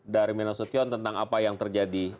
dari minasution tentang apa yang terjadi